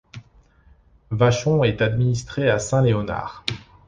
Vachon est administré à Saint-Léonard.